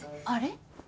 あれ？